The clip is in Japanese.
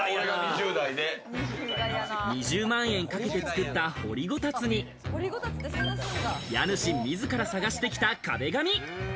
２０万円かけて作った掘りごたつに、家主自らが探してきた壁紙。